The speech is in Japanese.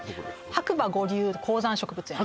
白馬五竜高山植物園です